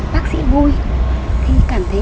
bác sĩ vui khi cảm thấy